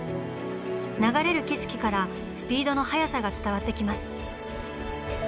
流れる景色からスピードの速さが伝わってきます。